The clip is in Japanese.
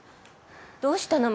どうしたの？